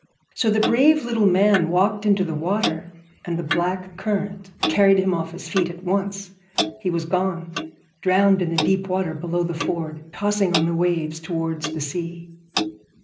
So the brave little man walked down into the water, and the black current carried him off his feet at once. He was gone, drowned in the deep water below the ford, tossing on the waves towards the sea.